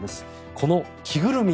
この着ぐるみ。